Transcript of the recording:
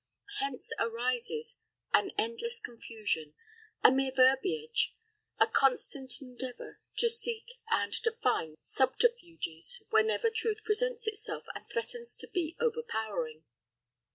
Hence arises an endless confusion, a mere verbiage, a constant endeavour to seek and to find subterfuges whenever truth presents itself and threatens to be overpowering.